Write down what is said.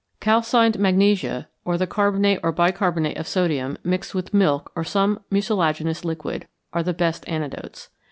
_ Calcined magnesia or the carbonate or bicarbonate of sodium, mixed with milk or some mucilaginous liquid, are the best antidotes.